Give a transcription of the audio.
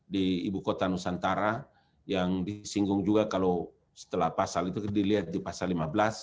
di ibu kota nusantara yang disinggung juga kalau setelah pasal itu dilihat di pasal lima belas ayat dua di undang undang ikn